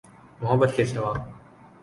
محبت کے سوا۔